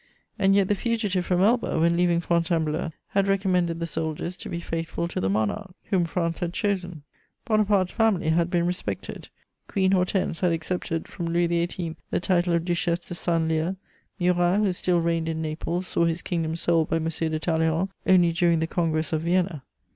And yet the fugitive from Elba, when leaving Fontainebleau, had recommended the soldiers to be "faithful to the monarch" whom France had chosen. Bonaparte's family had been respected; Queen Hortense had accepted from Louis XVIII. the title of Duchesse de Saint Leu; Murat, who still reigned in Naples, saw his kingdom sold by M. de Talleyrand only during the Congress of Vienna.